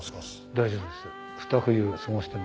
大丈夫です。